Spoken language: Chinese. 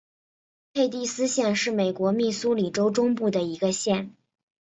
佩蒂斯县是美国密苏里州中部的一个县。